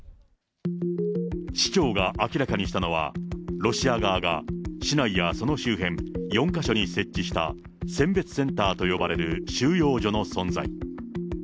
市長が明らかにしたのは、ロシア側が市内やその周辺４か所に設置した選別センターと呼ばれる収容所の存在。